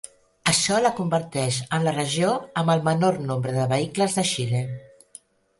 Això la converteix en la regió amb el menor nombre de vehicles de Xile.